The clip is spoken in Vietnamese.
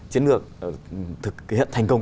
chiến lược thực hiện thành công